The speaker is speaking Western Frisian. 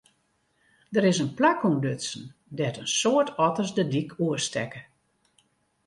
Der is in plak ûntdutsen dêr't in soad otters de dyk oerstekke.